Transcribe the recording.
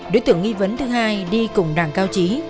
đối tượng nghi vấn thứ hai đi cùng đảng cao trí